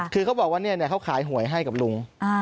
คือเขาบอกว่าเขาขายหวยให้กับลุง